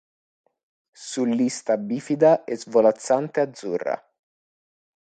Su lista bifida e svolazzante azzurra.